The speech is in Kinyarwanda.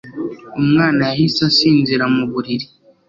Umwana yahise asinzira mu buriri